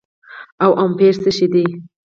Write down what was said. او امپير څه شي دي